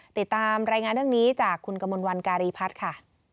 ติดตามรายงานเรื่องนี้จากคุณกมลวันการีพัฒน์ค่ะ